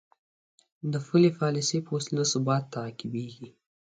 د پولي پالیسۍ په وسیله ثبات تعقیبېږي.